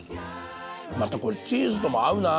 またこれチーズとも合うな。